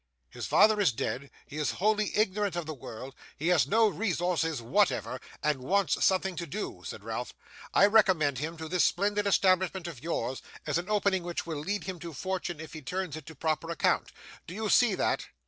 'His father is dead, he is wholly ignorant of the world, has no resources whatever, and wants something to do,' said Ralph. 'I recommend him to this splendid establishment of yours, as an opening which will lead him to fortune if he turns it to proper account. Do you see that?